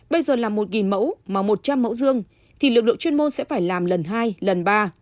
bây giờ là một mẫu mà một trăm linh mẫu dương thì lực lượng chuyên môn sẽ phải làm lần hai lần ba